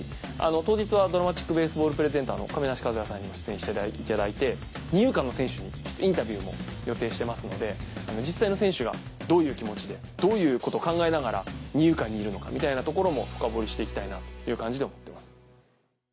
当日はＤＲＡＭＡＴＩＣＢＡＳＥＢＡＬＬプレゼンターの亀梨和也さんにも出演していただいて。も予定してますので実際の選手がどういう気持ちでどういうこと考えながら二遊間にいるのかみたいなところも深掘りしていきたいなという感じで思ってます。